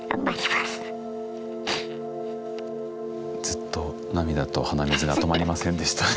ずっと涙と鼻水が止まりませんでした。